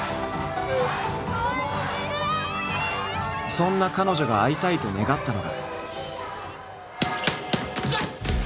そんな彼女が会いたいと願ったのが。